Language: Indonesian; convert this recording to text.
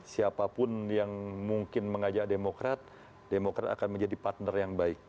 siapapun yang mungkin mengajak demokrat demokrat akan menjadi partner yang baik